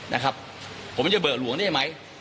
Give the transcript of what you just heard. นะครับผมจะเบิกหลวงนี่ได้ไหม